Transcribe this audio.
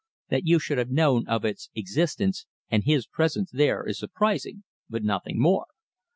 That you should have known of its existence and his presence there is surprising, but nothing more.